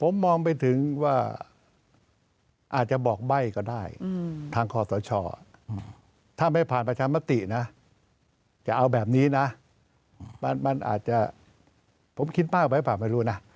ผมมองไปถึงว่าอาจจะบอกใบ้ก็ได้ทางคอตรชถ้าไม่ผ่านประชามาตินะ